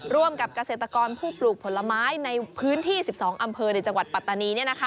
ร่วมกับเกษตรกรผู้ปลูกผลไม้ในพื้นที่๑๒อำเภอในจังหวัดปัตตานี